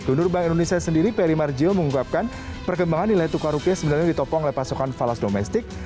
gunur bank indonesia sendiri perimarjo menguapkan perkembangan nilai tukar rupiah sebenarnya ditopong oleh pasokan falas domestik